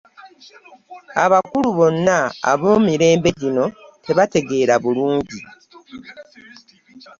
Abakulu bonna ab'omu mirembe gino tebabitegeera bulungi.